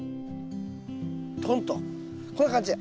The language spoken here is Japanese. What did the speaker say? トンとこんな感じで。